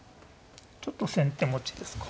ちょっと先手持ちですか。